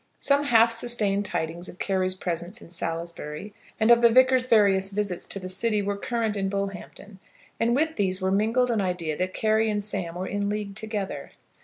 Some half sustained tidings of Carry's presence in Salisbury and of the Vicar's various visits to the city were current in Bullhampton, and with these were mingled an idea that Carry and Sam were in league together.